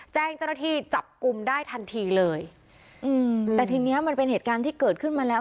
แจ้งเจ้าหน้าที่จับกลุ่มได้ทันทีเลยอืมแต่ทีเนี้ยมันเป็นเหตุการณ์ที่เกิดขึ้นมาแล้ว